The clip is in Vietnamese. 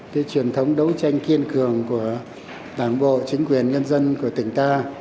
cái truyền thống đấu tranh kiên cường của đảng bộ chính quyền nhân dân của tỉnh ta